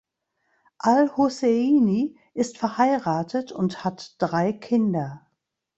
Al Husseini ist verheiratet und hat drei Kinder.